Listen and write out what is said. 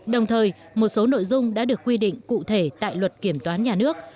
đồng thời một số nội dung đã được quy định cụ thể tại luật kiểm toán nhà nước